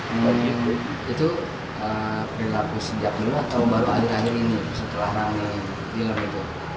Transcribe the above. itu berlaku sejak dulu atau baru baru di akhir ini setelah rame di lalu itu